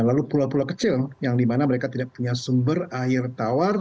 lalu pulau pulau kecil yang dimana mereka tidak punya sumber air tawar